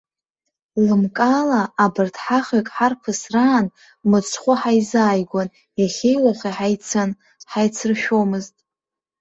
Лымкаала абарҭ ҳахҩык ҳарԥысраан мыцхәы ҳаизааигәан, иахьеи уахеи ҳаицын, ҳаицыршәомызт.